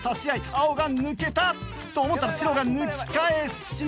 青が抜けた！と思ったら白が抜き返しにいく。